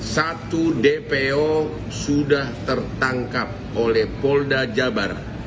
satu dpo sudah tertangkap oleh polda jabar